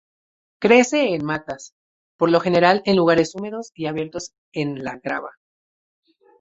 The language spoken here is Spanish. Crece en matas, por lo general en lugares húmedos y abiertos en la grava.